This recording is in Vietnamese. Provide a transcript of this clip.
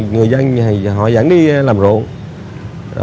người dân họ dẫn đi làm ruộng